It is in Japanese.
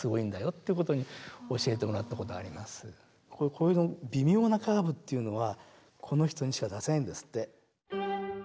これの微妙なカーブっていうのはこの人にしか出せないんですって。